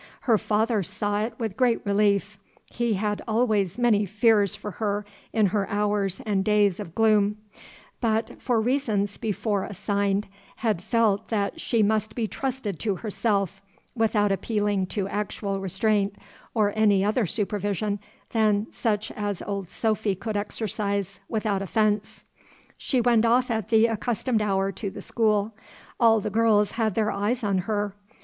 Her father saw it with great relief; he had always many fears for her in her hours and days of gloom, but, for reasons before assigned, had felt that she must be trusted to herself, without appealing to actual restraint, or any other supervision than such as Old Sophy could exercise without offence. She went off at the accustomed hour to the school. All the girls had their eyes on her.